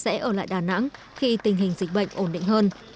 sẽ ở lại đà nẵng khi tình hình dịch bệnh ổn định hơn